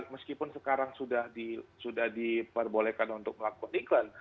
meskipun sekarang sudah diperbolehkan untuk melakukan iklan